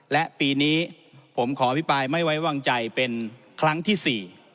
และปีนี้ผมขออภิปรายไม่ไว้วางใจเป็นครั้งที่๔